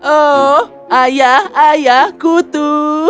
oh ayah ayah kutu